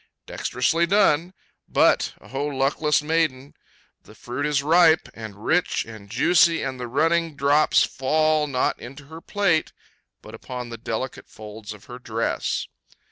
Dexterously done; but—O luckless maiden!—the fruit is ripe, and rich, and juicy, and the running drops fall, not into her plate, but upon the delicate folds of her dress.